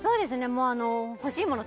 もう欲しいもの